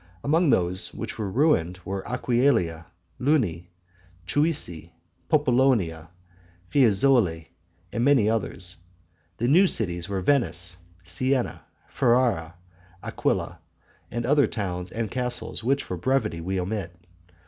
Among those which were ruined were Aquileia, Luni, Chiusi, Popolonia, Fiesole, and many others. The new cities were Venice, Sienna, Ferrara, Aquila, with many towns and castles which for brevity we omit.